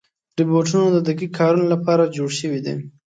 روبوټونه د دقیق کارونو لپاره جوړ شوي دي.